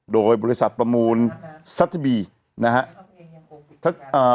โดยบริษัทประมูลซัทธิบีนะฮะ